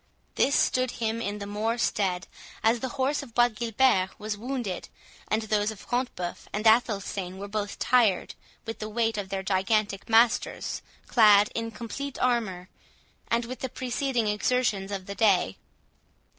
This stood him in the more stead, as the horse of Bois Guilbert was wounded, and those of Front de Bœuf and Athelstane were both tired with the weight of their gigantic masters, clad in complete armour, and with the preceding exertions of the day.